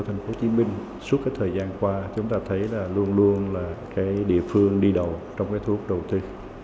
tp hcm suốt thời gian qua chúng ta thấy luôn luôn là địa phương đi đầu trong thuốc đầu tư